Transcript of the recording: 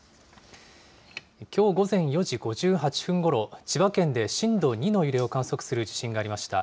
きょう午前４時５８分ごろ、千葉県で震度２の揺れを観測する地震がありました。